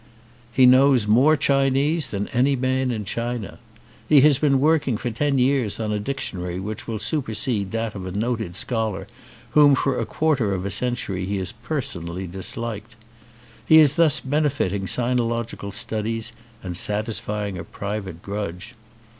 He knows more Chinese than any man in China. He has been working for ten years on a dictionary which will supersede that of a noted scholar whom for a quarter of a century he has personally dis liked. He is thus benefiting sinological studies and satisfying a private grudge.